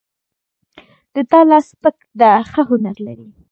د تا لاس سپک ده ښه هنر لري